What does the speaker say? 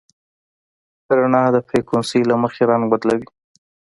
رڼا د فریکونسۍ له مخې رنګ بدلوي.